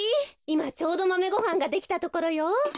いまちょうどマメごはんができたところよ。